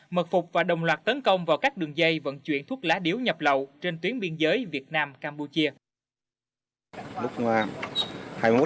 mật phục và đồng loạt tấn công vào các đường dây vận chuyển thuốc lá điếu nhập lậu trên tuyến biên giới việt nam campuchia